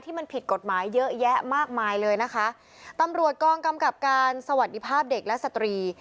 มันผิดกฎหมายเยอะแยะมากมายเลยนะคะตำรวจกองกำกับการสวัสดีภาพเด็กและสตรี